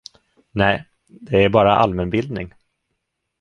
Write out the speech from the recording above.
Nej, det är bara allmänbildning.